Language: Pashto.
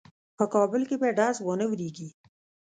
په کابل کې به ډز وانه وریږي.